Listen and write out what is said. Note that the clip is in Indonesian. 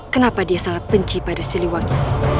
kenapa dia sangat mencintai siliwangi